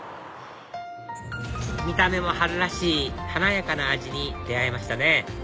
見た目も春らしい華やかな味に出会えましたね